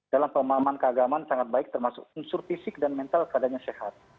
dalam pemahaman keagaman sangat baik termasuk unsur fisik dan mental keadaannya sehat